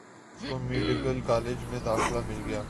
اس کو medical college میں داخلہ مل گیا